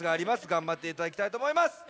がんばっていただきたいとおもいます。